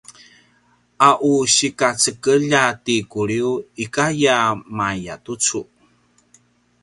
a u sikacekelj a ti Kuliw ikay a mayatucu